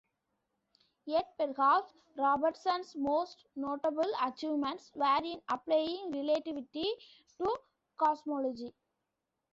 Yet perhaps Robertson's most notable achievements were in applying relativity to cosmology.